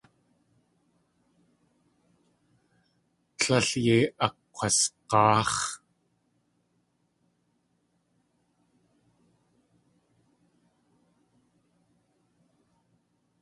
Tlél yei akg̲wasg̲áax̲.